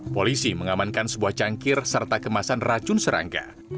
polisi mengamankan sebuah cangkir serta kemasan racun serangga